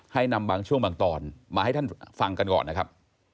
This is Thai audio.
นำบางช่วงบางตอนมาให้ท่านฟังกันก่อนนะครับ